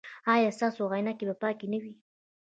ایا ستاسو عینکې به پاکې نه وي؟